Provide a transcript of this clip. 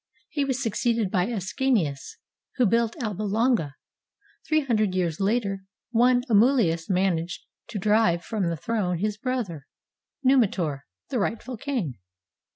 He was succeeded by Ascanius, who built Alba Longa. Three hundred years later, one Amulius managed to drive from the throne his brother Numitor, the rightful king.